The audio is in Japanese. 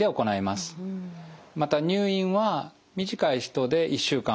また入院は短い人で１週間ほど。